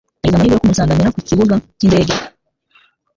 Nagize amahirwe yo kumusanganira ku kibuga cy'indege.